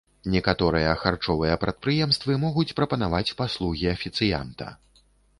Некаторыя харчовыя прадпрыемствы могуць прапанаваць паслугі афіцыянта.